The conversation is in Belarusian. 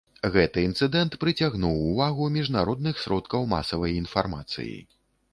Гэты інцыдэнт прыцягнуў увагу міжнародных сродкаў масавай інфармацыі.